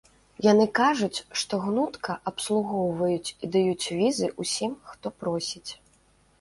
Яны кажуць, што гнутка абслугоўваюць і даюць візы ўсім, хто просіць.